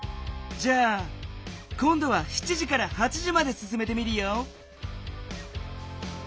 じゃあこんどは７時から８時まですすめてみるよ。